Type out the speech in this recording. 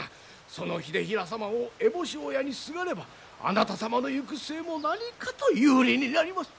その秀衡様をえぼし親にすがればあなた様の行く末も何かと有利になります。